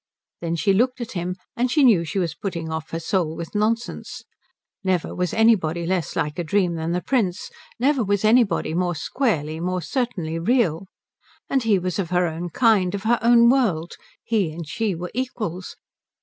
Then she looked at him, and she knew she was putting off her soul with nonsense. Never was anybody less like a dream than the Prince; never was anybody more squarely, more certainly real. And he was of her own kind, of her own world. He and she were equals.